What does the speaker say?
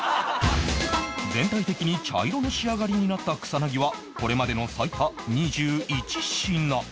全体的に茶色の仕上がりになった草薙はこれまでの最多２１品